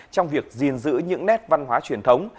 trong việc gìn giữ những nét văn hóa truyền thống